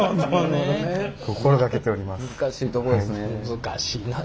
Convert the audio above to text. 難しいな。